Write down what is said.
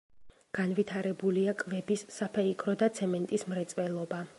განვითარებულია კვების, საფეიქრო და ცემენტის მრეწველობა.